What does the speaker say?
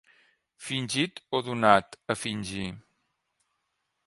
Fingit o donat a fingir.